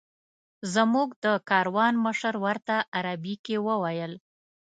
زموږ د کاروان مشر ورته عربي کې وویل.